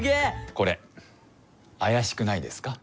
これあやしくないですか？